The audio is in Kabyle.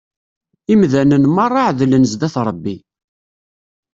Imdanen merra εedlen zzat Rebbi.